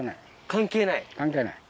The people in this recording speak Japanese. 関係ない。